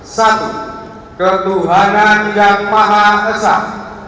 satu ketuhanan yang maha esah